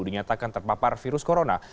dinyatakan terpapar virus corona